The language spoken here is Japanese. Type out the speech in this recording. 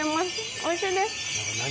おいしいです。